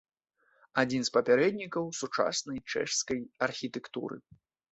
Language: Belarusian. Адзін з папярэднікаў сучаснай чэшскай архітэктуры.